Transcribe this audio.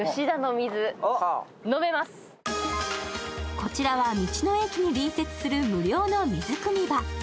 こちらは道の駅に隣接する無料の水汲み場。